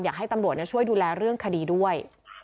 อยากให้ตำรวจช่วยดูแลเรื่องคดีด้วย